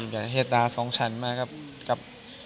ก็เฮตตา๒ชั้นมากครับ